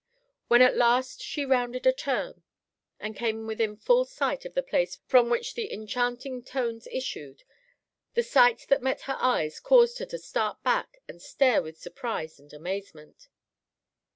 When at last she rounded a turn and came within full sight of the place from which the enchanting tones issued, the sight that met her eyes caused her to start back and stare with surprise and amazement.